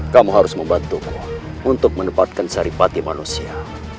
kamu harus membantuku untuk menempatkan sari pati manusia